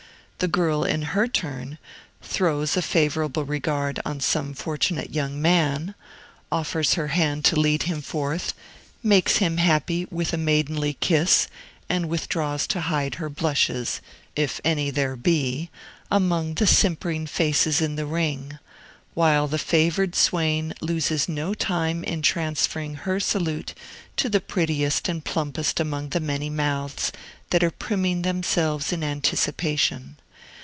The girl, in her turn, throws a favorable regard on some fortunate young man, offers her hand to lead him forth, makes him happy with a maidenly kiss, and withdraws to hide her blushes, if any there be, among the simpering faces in the ring; while the favored swain loses no time in transferring her salute to the prettiest and plumpest among the many mouths that are primming themselves in anticipation.